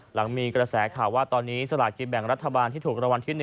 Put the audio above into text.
หลังมีกระแสข่าวว่าตอนนี้สลากินแบ่งรัฐบาลที่ถูกรางวัลที่๑